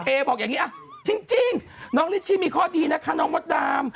บอกอย่างนี้จริงน้องลิชชี่มีข้อดีนะคะน้องมดดำ